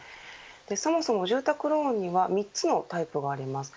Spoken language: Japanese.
そもそも住宅ローンには３つのタイプがあります。